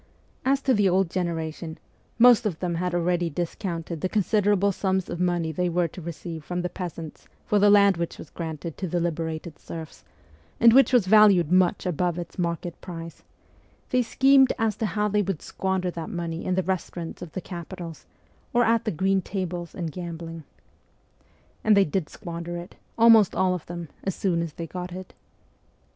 As to the old generation, most of them had already discounted the considerable sums of money they were to receive from the peasants for the land which was granted to the liberated serfs, and which was valued much above its market price ; they schemed as to how they would squander that money in the restaurants of the capitals, or at the green tables in gambling. And they did squander it, almost all of them, as soon as they got it.